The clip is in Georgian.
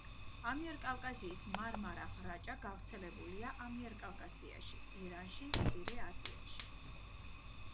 ამიერკავკასიის მარმარა ღრაჭა გავრცელებულია ამიერკავკასიაში, ირანში, მცირე აზიაში.